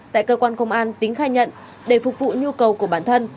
tại cơ quan công an tính khai nhận để phục vụ nhu cầu của bản thân